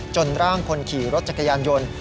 ร่างคนขี่รถจักรยานยนต์